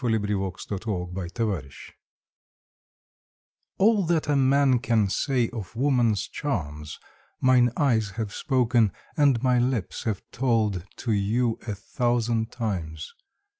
A BACHELOR TO A MARRIED FLIRT ALL that a man can say of woman's charms, Mine eyes have spoken and my lips have told To you a thousand times.